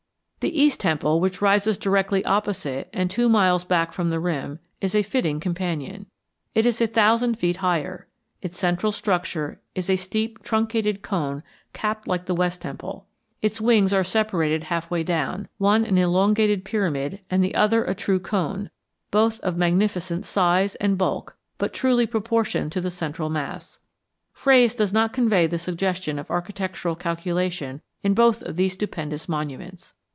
The East Temple, which rises directly opposite and two miles back from the rim, is a fitting companion. It is a thousand feet higher. Its central structure is a steep truncated cone capped like the West Temple. Its wings are separated half way down, one an elongated pyramid and the other a true cone, both of magnificent size and bulk but truly proportioned to the central mass. Phrase does not convey the suggestion of architectural calculation in both of these stupendous monuments.